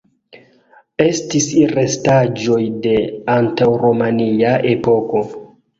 Estis restaĵoj de antaŭromia epoko.